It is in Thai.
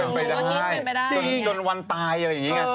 เป็นไปได้จนวันตายอะไรอย่างนี้ไง